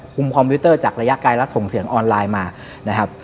คอมพิวเตอร์จากระยะไกลและส่งเสียงออนไลน์มานะครับ